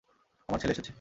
আমার ছেলে এসেছে।